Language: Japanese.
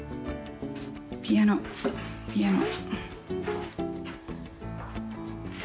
ピアノピアノ。